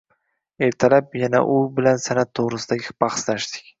Ertalab yana u bilan san’at to’g’risida bahslashdik.